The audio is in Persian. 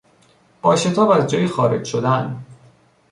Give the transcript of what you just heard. با شتاب از جایی خارج شدن